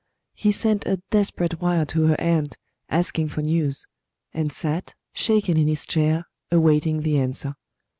He sent a desperate wire to her aunt asking for news; and sat, shaking in his chair, awaiting the answer.